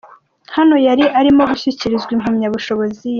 Hano yari arimo gushyikirizwa impamyabushobozi ye.